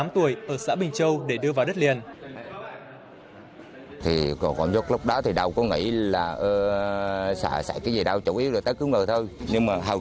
ba mươi tám tuổi ở xã bình châu để đưa vào đất liền